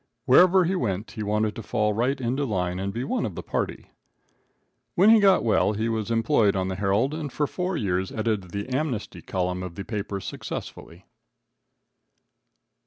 Wherever he went, he wanted to fall right into line and be one of the party. When he got well he was employed on the Herald, and for four years edited the amnesty column of the paper successfully.